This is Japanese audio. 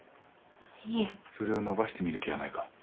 それを伸ばしてみる気はないか？